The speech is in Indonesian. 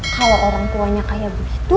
kalau orang tuanya kayak begitu